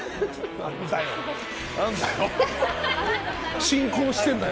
何だよ！